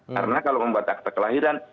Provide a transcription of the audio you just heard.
karena kalau membuat akte kelahiran